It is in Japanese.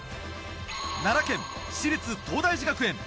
奈良県私立東大寺学園。